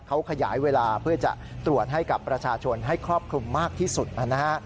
เขาขยายเวลาเพื่อจะตรวจให้กับประชาชนให้ครอบคลุมมากที่สุดนะฮะ